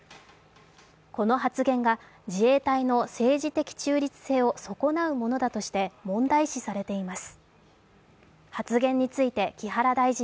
この発言が自衛隊の政治的中立性を損なうものだとして問題視されています。